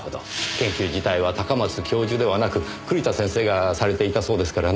研究自体は高松教授ではなく栗田先生がされていたそうですからね。